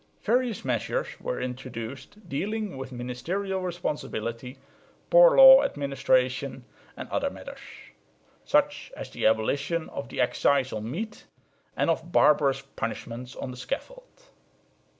Various measures were introduced dealing with ministerial responsibility, poor law administration and other matters, such as the abolition of the excise on meat and of barbarous punishments on the scaffold.